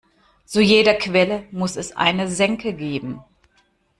Zu jeder Quelle muss es eine Senke geben.